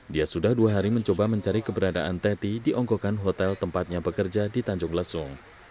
dia sudah dua hari mencoba mencari keberadaan teti di ongkokan hotel tempatnya bekerja di tanjung lesung